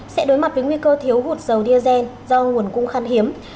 sẽ đối mặt với nguy cơ thiếu hụt dầu diazen do nguồn cung khăn hiếm